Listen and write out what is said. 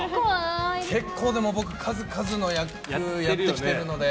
結構、僕数々の役をやってきてるので。